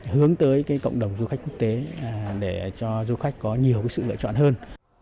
hướng tới cộng đồng du khách quốc tế để cho du khách có nhiều sự lựa chọn hơn